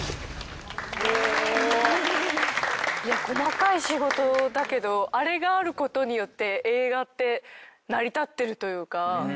細かい仕事だけどあれがあることによって映画って成り立ってるというか。